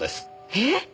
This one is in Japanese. えっ？